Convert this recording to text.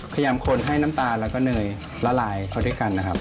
ขยามคนให้น้ำตาลและเนยละลายข้างด้วยกัน